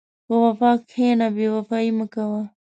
په وفا کښېنه، بېوفایي مه کوه.